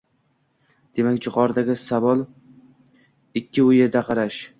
Demak, juqoridagi savol Ch'ditë ikki U erda qarash: